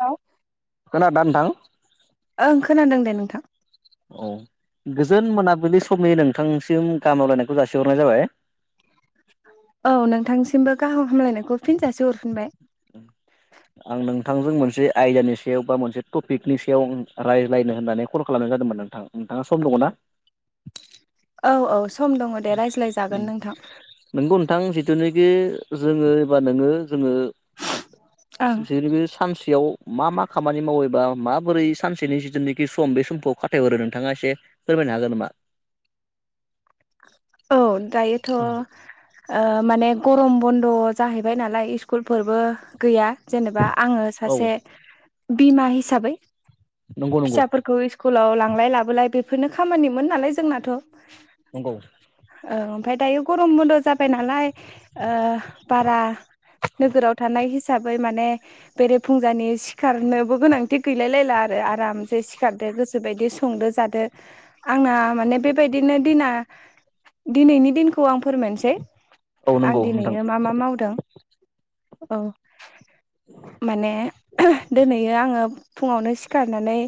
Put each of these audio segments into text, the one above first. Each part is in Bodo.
औ खोनादों नोंथां ओं खोनादों दे नोंथां औ गोजोन मोनाबिलि समनि नोंथांसिम गामलायनायखौ जासिहरनाय जाबाय औ नोंथांसिमबो गाहाम हामलायनायखौ फिनजासे हरफिनबाय [inaudible] आं नोंथांजों मोनसे आयदयाानि सायाव बा मोनसे टपिकनि सायाव रायज्लायनो होननानै कल खालामनाय जादोंमोन नां नोंथां नोंथाङा सम दङ ना औ औ सम दङ दे रायज्लायजागोन नोंथां नोंगौ नोंथां जिथुनिखि जोङो एबा नोङो जोङो ओं जै बे सानसेयाव मा मा खामानि मावबा माबोरै सानसेनि जिथुनाखि सम बे समखौ फाथाय हरो नोंथाङा एसे फोरमायनो हागोन नामा औ दायोथ' माने गरम बन्द' जाहैबाय नालाय स्कुलफोरबो गैया जेनेबा आङो औ सासे बिमा हिसाबै नंगौ नंगौ फिसाफोरखौ स्कुलाव लांलाय लाबोलाय बेफोरनो खामानिमोन नालाय जोंनाथ' नंगौ औ ओमफ्राय दायो गरम बन्द' जाबाय नालाय बारा नोगोराव थानाय हिसाबै हिसाबै माने बेरे फुंजानि सिखारनोबो गोनांथि बिदि गैलाय लायला आरो आराम जे सिखारदो गोसबायदि संदो जादो आंना माने बेबायदिनो दिना दिनैनि दिनखौ आं फोरमायनोसै औ आं नंगौ नोंथां दिनैयो मा मा मावदों औ माने दिनै आङो फुङावनो सिखारनानै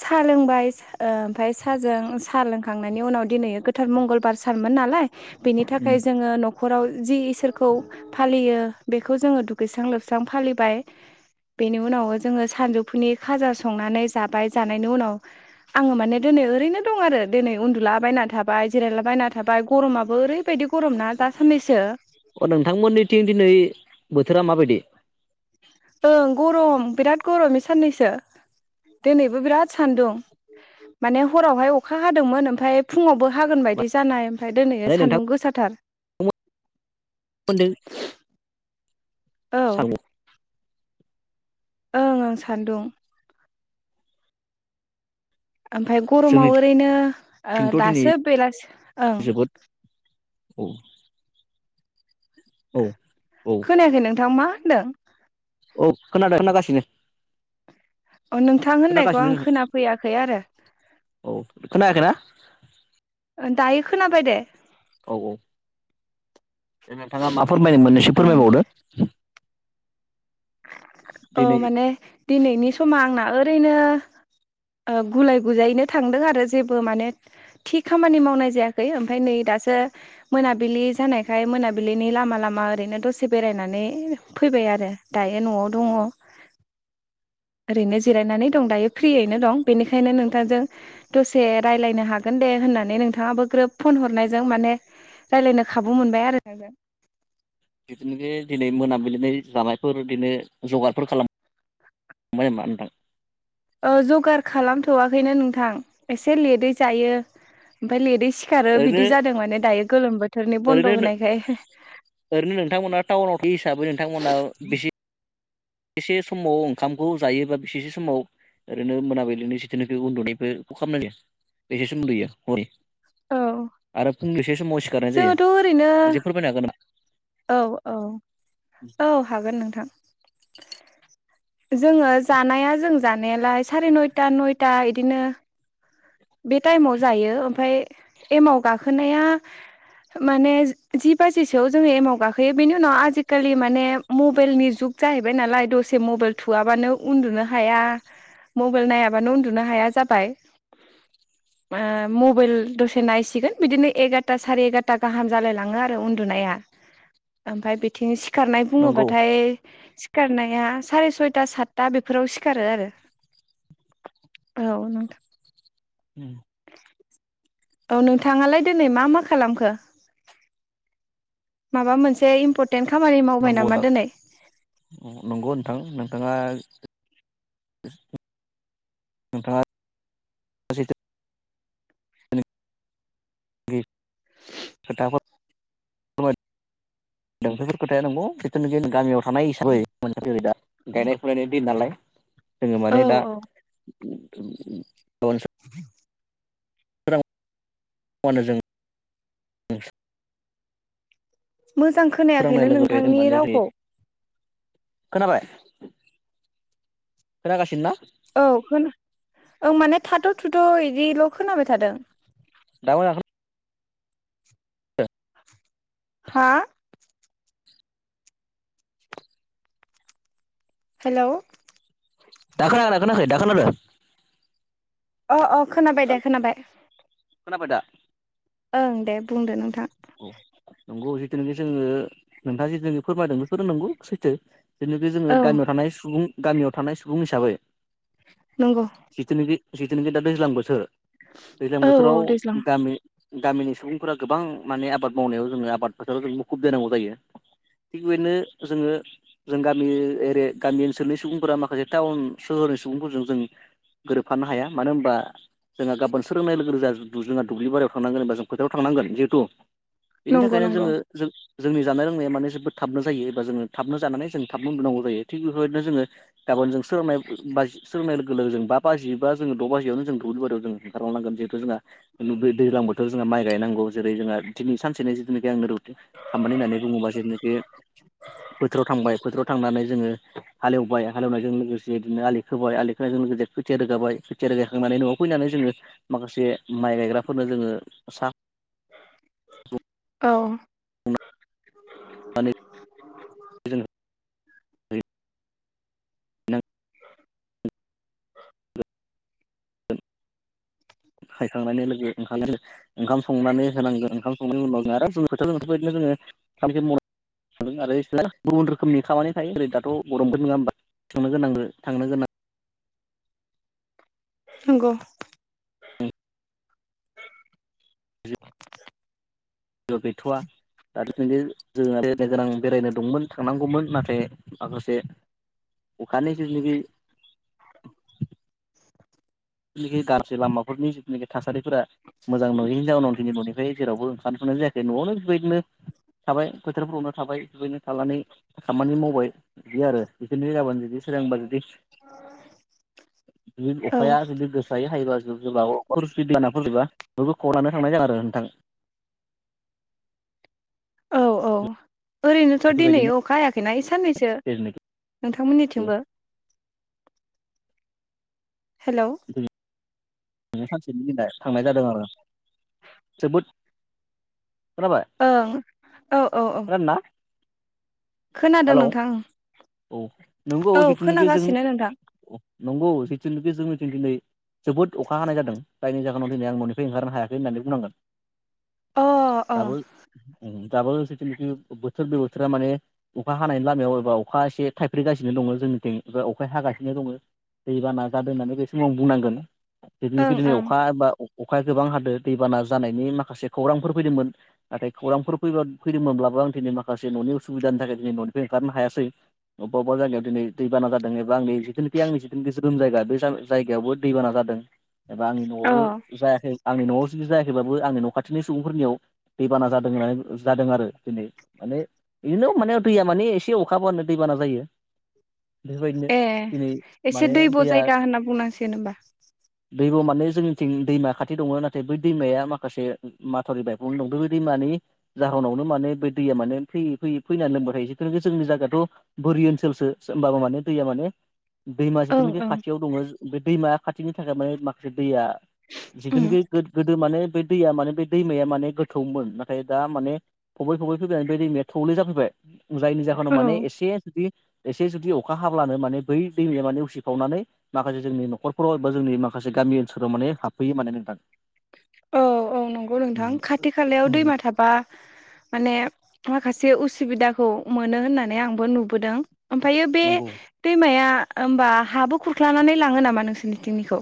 साहा लोंबाय ओमफफ्राय साहाजों साहा लों खांनायनि उनाव दिनै गोथार मंगलबार सारमोन नालाय बेनि थाखाय जोङ' न'खराव जि इसोरखौ फालियो बेखौ जोङो दुगैस्रां लोबस्रां फालिबाय बेनि उनाव जोङो सानजौफुनि खाजा संनानै जाबाय जानायनि उनाव आङो माने दिनै ओरैनो दं आरो दिनै उन्दुलाबायना थाबाय थाबाय जिरायलाबायना थाबाय गरमाबो ओरैबायदि गरम ना दा साननैसो अ नोंथांमोननिथिं दिनै बोथोरा माबायदि ओं गरम बिराद गरम बे साननैसो दिनैबो बिराद सान्दुं माने हरावहाय अखा हादोंमोन ओमफ्राय फुङावबो हागोन बायदि जानाय ओमफ्राय दनै सान्दुं गोसाथार मोनदोंो औ सागौ ओं आं सान्दुं ओमफफ्राय गरमाव ओरैनो जोंनिथिंथ' दिनै दासो बेलासि ओं जोबोद औ औ औ खोनायाखै नोंथां मा होनदों औ खनाना गसिनो अ नोंथां होननायखौ खोनागासिनो आं खोनाफैयाखै आरो औ खोनायाखैनाा दायो खोनाबाय दे औ औ द नोंथाङा मा फोरमायनो मोननसो ओं फोरमायबावदो औ दिनै माने दिनैनि समा आंना ओरैनो गुलाय गुजायैनो थांदों आरो जेबो माने थि खामानि मावनाय जायाखै ओमफफ्राय नै दासो मोनाबिलि जानायखाय मोनाबिलिनि लामा लामा ओरैनो दसे बेरायनानै फैबाय आरो दायो न'आव दङ ओरैनो जिरायनानै दं दायो फ्रियैनो दं बेनिखायनो नोंथांजों दसे रायज्लायनो हागोन दे होननानै नोंथाङाबो ग्रोब फन हरनायजों माने रायज्लायनो खाबु मोनबाय आरो नोङो बिदिनो दिनै मोनाबिलिनाय जानायफोर बिदिनो जगारफोर खालाम ममाइ मा होनदां औ जगार खालामथ'वाखैनो नोंथां एसे लेटै जायो ओमफ्राय लेटै सि फखारो ओरैनो बिदि जादों माने दायो गोलोम बोथोरनि बन्द' ओरैनो होनायखाय ओरैनो नोंथांमोना टाउन आावथि हिसाबै नोंथांमोना बेसे बेसेसे समाव ओंखामखौ जायोबा बेसेस समाव ओरैनो मोनाबिलिनो सिथनिफ्राय उन्दुनाय बेखौ खालामनाायो बेसे सोमोन्दैयो हरि औ आरो फुंनलिस समाव सिखारनाय जायो जोङोथ' ओरैनो मोनसे फोरमायनो हागोन नामा औ औ औ हागोन नोंथां जोङो जानाया जों जानायालाय साराय नयथा नयथा इदिनो बे टाइमाव जायो ओमफफ्राय एमाव गाखोनाया माने जि बाजिसोआव जोङो एमाव गाखोयो बेनि उनाव आजिखालि माने मबाइलनि जुग जाहैबाय नालाय दसे मबाइल थुआबानो उन्दुनो हाया मबाइल नायाबानो उन्दुनो हाया जाबाय। [inaudible] मबाइल दसे नायसिगोन बिदिनो एगारता साराय एगारता गाहाम जालाय लाङो आरो उन्दुनाया। [inaudible] ओमफ्राय बिथिं सिखारनाय नंगौ बुङोबाथाय सिखारनाया साराय सयथा सातथा बेफोराव सिखारो आरो। औन उम। औ नोंथाङालाय दिनै मा मा खालामखो? माबा मोनसे इम्परटेन्ट खामानि मावबाय नंगौ नामा दिनै? नंगौ नोंथां नोंथाङा नोंथाङा [unintelligible] [unintelligible] फोरमायदों [unintelligible] थानाय हिसाबै मोनसे जै दा गायनाय फुनायनि दिन नालाय जोङो औ माने दा औ [unintelligible] [unintelligible] मोजां सोरांनाय खोनायाखैनो लोगो लोगो नोंथांनि माने जों रावखौ। खोनाबाय खोनागासिनो ना? औ खोना ओं माने थाथ' थुथ' बिदिल' खोनाबाय थादों। दा मोजां खोना हा। हेलौ दा खोनादोंना खोनाखै दा खोनादों। अ अ खोनाबाय दे खोनाबाय। खोनाबाय दा? ओं दे बुंदो नोंथां। औ नंगौ जिथुनाखि जोङो नोंथाङा जिथुनाखि फोरमायदों बेफोरो नोंगौ सैथो। जेनाखि औ जोङो गामियाव थानाय सुबुं गामियाव थानाय सुबुं हिसाबै नंगौ। जिथुनाखि जिथुनाखि दा दैज्लां बोथोर दैज्लां औ बोथोराव औ दैज्लां गामि गामिनि सुबुंफोरा गोबां माने आबाद मावनायाव जोङो आबाद फोथाराव जों मुखुब जानांगौ जायो। थिग बेबादिनो जोङो जों गामि एरिया गामि ओनसोलनि सुबुंफोरा माखासे टाउन सोहोरनि सुबुंफोरजों जों गोरोबफानो हाया मानो होनबा जोंहा गाबोन सोरांनाय लोगो लोगो जों दुब्लिबारि थांनांगोनबा जों फोराथायाव थांनांगोन जिहेतु बेनि नंगौ थाखायनो नंगौ जोङो जों जोंनि जानाय लोंनाया माने जोबोद थाबनो जायो एबा जोङो थाबनो जानानै जों थाबनो उन्दुनांगौ जायो थिग बेफोरबायदिनो जोङो गाबोन जोङो सोरांनाय सोरांनाय लोगो लोगो जों बाजि बा द' बाजियावनो जों दुब्लिबारियाव जों ओंखार लांनांगोन जिहेथु जोंहा दैजां बोथोर जों माइ गायनांगौ जेरै जोंहा दिनै सानसेनि जिथुनाखि आं खामानि होननानै बुङोबा जेनाखि बे फोथाराव थांबाय फोथाराव थांनानै जोङो हालेवबाय हालेवनायजों लोगोसे बिदिनो आलि खोबाय आलि खोनायजों लोगोसे खोथिया रोगाबाय खोथिया रोगायाखांनानै न'आव फैनानै जोङो माखासे माइ गायग्राफोरनो जोङो सा औ। माने जोङो नों होयखांनानै लोगो ओंखारनाय लोगो ओंखाम संनानै होनांगोन ओंखाम संनायनि उनाव जों आरो जों खोथा बिदिनो जोङो आरो। [unintelligible] गुबुन रोखोमनि खामानि थायो ओरै दाथ' गरमफोर नङा होनबा सोंनो गोनां थांनो गोनां नोंगौ जेबो गैथ'वा दा जों दानो गोनां बेरायनो दंमोन थांनांगौमोन नाथाय माखासे अखानि जोंनि बे जिनाखि गांसे लामाफोरनि जिथ'नाखि थासारिफोरा मोजां नंयैनि जाउनाव दिनै न'निफ्राय जेरावबो ओंखारथ'नाय जायाखै न'आवनो बेबायदिनो थाबाय फोरावनो थाबाय जहैनो थानानै खामानि मावबाय बिदि आरो बिदिनो जाबानो जुदि सोरांबा जुदि बि औ अखाया जुदि गोसायो हायोबा जु जबा अ जुदि बाना फैबा बयबो खनो थांनाय जागोन आरो नोंथां औ औ ओरैनोथ' दिनै बेफोरबायदिनो अखा हायाखैना इ साननैसो नोंथांमोननिथिंबो हेल' नो सानसेनि दिनाय थांनाय जादों आरो जोबोद खोनाबाय ओं औ औ औ खोनादों ना खोनादों हेलौ नोंथां औ नंगौ औ जिथुनाखि जों खोनागासिनो नोंथां अ नंगौ जों दिनै जोबोद अखा हानाय जादों जायनि जाहोनाव दिनै आं ननिफ्राय ओंखारनो हायाखै होननानै बुंनांगोन अ अ दाबो दाबो जथना बोथोर बे बोथोरा माने अखा हानायनि लामायाव एबा अखा एसे थाइफ्रिगासिनो दङ जोंनिथिं एबा अखाया हागासिनो दङ। दैबा नाजादों होननानै बै समाव आं बुंनांगोन ओं जिखि दिनै ओं अखा बा अखाया गोबां हादों दैबाना जानायनि माखासे खौरांफोर फैदोंमोन। नाथाय खौरांफोर फै फैदोंमोनब्लाबो आं दिनै माखासे न'नि उसुबिदानि थाखाय दिनै न'निफ्राय ओंखारनो हायासै अबेबाबा जानायायाव दिन दैबाना जादों एबा आं जिखि आंनि जिथुि जदोम जायगा बे जायगायावबो दैबाना जादों एबा आंनि अ न'आवबो जायाखै आंनि न'आव जुदि जायाखैबाबो आंनि न' खाथिनि सुबुंफोरनियाव दैबाना जादों होन जादों आरो दिनै माने बिदिनो माने दैया माने एसे अखााबानो दैबाना जायो। बेफोरबायदिनो ए दिनै एसे माने दैब' दैया जायगा होनना बुंनांसिगोन होमबा दैग' माने जोंनिथिं दैमा खाथि दङ नाथाय बै दैमाया माखासे माथावरि बायफुं दं बे बेै दैमानि जाहोनावनो माने बै दैया माने फैयै फैयै फैनानै लोंबाय जिथुखि जोंनि जायाथ' बोरि ओनसोलसो होमबाबो माने दैया माने दैमा ओं जिथुनाखि ओं खाथियाव दङ बे दैमाया खाथिनि थाखाय माने माखासे दैया जिखुनुखि गोदो माने ब दैया माने बे दैमाया माने गोथौमोन नाथाय दा माने फबै फबय फैनानै बे दैमाया थौले जाफैबाय जायनि जाहोनाव औ माने एसे जुदि एसे जुदि अखा हाब्लानो माने बै दैमाया माने उसिखावनानै माखासे जोंनि न'खरफोराव एबा जोंनि माखासे गामि ओनसोलाव माने हाबफैयो म होने नोंथां औ औ नंगौ नोंथां खाथि खालायाव दैमा थाबा माने माखासे उसुबिदाखौ मोनो होननानै आंबो नुबोदों। ओमफ्रायायो बे नंगौ दैमाया होमबा हाबो खुरख्लानानै लाङो नामा नोंसोरनिथिंनिखौ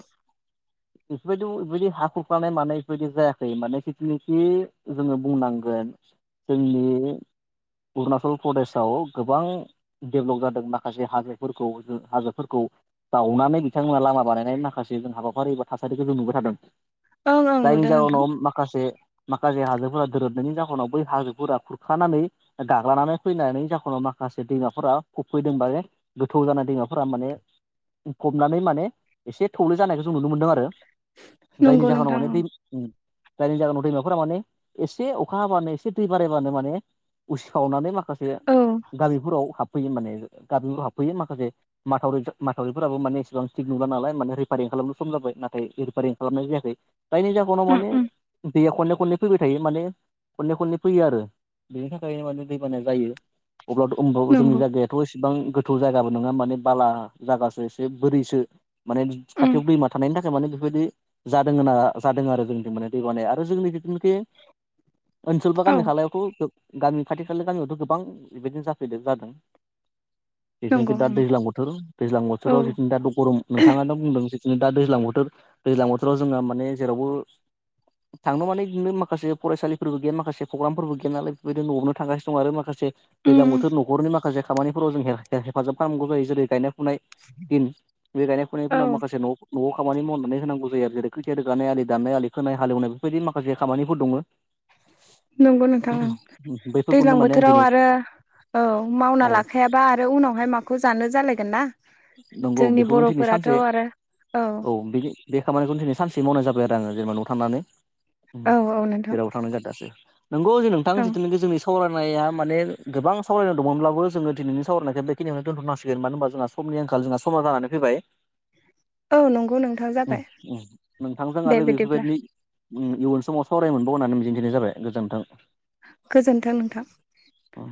बेफोरबायदि बेबायदि हााखुरखानाय मानाय बेफोरबायदि जायाखै माने खेथिनिखि जोङो बुंनांगोन। जोंनि अरुनाचल प्रदेशआव गोबां दडेभलप जादों माखासे हाजोफोरखौ जों हाजोफोरखौ जावनानै बिथांमोना लामा बानायनायनि माखासे जों हाबाफारि एबा थासारिखौ जों नुबाय थादों ओं ओं जायनि नुदों नोंथां जाहोनाव माखासे माखासे हाजोफोरा दोरोबनायनि जाहोनाव बै हाजोफोरा खुरखानानै गाग्लानानै फैनानै जाखाव माखासे दैमाफोरा खफैदोंबाले गोथौ जानाय दैमाफोरा माने फबनानै माने एसे थौले जानायखौ जों नुनो मोनदों आरो आरो जायनि नंगौ जाहोनाव नोंथां माने ओं। दै जायनि जागोनाव दैमाफोरा माने एसे अखा हाबानो एसे दै बारायबानो माने उसिखावनानै माखासे औ गामिफोराव हाबफैयो माने गामिफोर हाबफैयो माखासे माथावरि माथावरिफोराबो मानेसेबां थिक नंला नालाय मान रिफारिं खालामनो सम जाबाय ना रिफारिं खालामनाय जायाखै जायनि जोनाव उम मान उम दैया खनले खनले फैबाय थायो माने खनले खनले फैयो आरो बेनि थाखायनो माने दैबानाया जायो अब्लाथ' अब असननि नंगौ जायगाया दाथ' इसेबां गोथौ जायगाबो नङा माने बाला जायगासो एसे बोरैसो माने उम खाथियाव दैमा थानायनि थाख माने बेफोरबायदि जादों होना जादों आरो जोंनि माने दै बाने आरो जोंनि जिथुनाखि ओनसोल बा औ गामि खालायावथ' गामि खाथि खाला गामियावथ' गोबां बेबायदिनो जाफैदों जादों जिथुनाखि नंगौ दा उम दैज्लां बोथोर दैज्लां औ बोथोराव जिथुनि दा गरम नोंथाङाथ' बुंदों ज दा दैज्लां बोथोर दैज्लां बोथोराव जोङो माने जेरावबो थांनो माने बिदिनो माखासे फरायसालिफोरबो गैया माखासे प्रग्रामफोरबो गैया नालाय बेबायदिनो न'आवनो थांगासिनो दं आरो माखासे दैज्लां उम बोथोर न'खरनि माखासे खामानिफोराव जों हेफाजाब खालामनांगौ जायो जेरै गायनाय फुनाय दिन बे गायनाय औ फुनायफोराव माखासे न' नवाव खामानि मावनानै होनांगौ जायो आरो जेरै ख्रिथिया रोगानाय आलि दाननाय आलि खोनाय हालेवनाय बेफोरबायदि माखासे खामानिफोर दङ नंगौ नोंथां बैफोरखौनो दैलां माने आं बोथोराव दिनै आरो औ मावना औ लाखायाबा आरो उनावहाय माखौ जानो जालायगोन ना नंगौ जोंनि बेखौनो थैनो बर'फोराथ' सानसे आरो औ बेनि बे खामानिखौनो दिनै सानसे मावनाय जाबाय आरो आङो जेनेबा न' थानानै औ औ नोंथां जेरावबो थांनाय जादासो नोंगौ जे नोंथां औ जिथु नि जोंनि सावरायनाया माने गोबां सावरायनाय दंमोनब्लाबो जोङो दिनैनि सावरायनायखौ बेखिनियावनो दोनथ'नांसिगोन मानो होनबा जोंहा समनि आंखाल जोंहा समा जानानै फैबाय औ नंगौ नोंथां ओम जाबाय ओम नोंथांजों दे आरो बिदिब्ला बेफोरबायदि ओम इयुन समाव सावराय मोनबाव होननानै मिजिंथिनाय जाबाय गोजोनथों। गोजोन्थों नोंथां अ